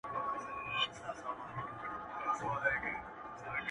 د ښايست تصوير دې دومره محدود سوی,